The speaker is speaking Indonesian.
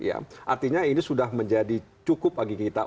artinya ini sudah menjadi cukup bagi kita